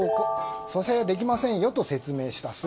蘇生できませんよと説明した。